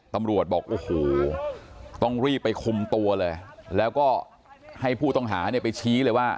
ตำรวจบอกโอ้โหต้องรีบไปคุมตัวเลยแล้วก็ให้ผู้ต้องหาเนี่ยไปชี้เลยว่า